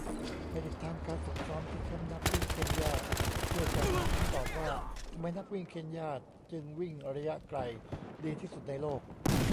ไปติดตามการฝึกซ้อมที่แคมป์นักวิ่งเคนยาเพื่อจะหาคำตอบว่า ทำไมนักวิ่งเคนยาจึงวิ่งระยะไกลดีที่สุดในโลก